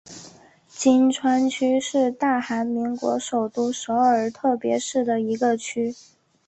衿川区是大韩民国首都首尔特别市的一个区。